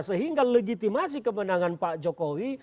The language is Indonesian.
sehingga legitimasi kemenangan pak jokowi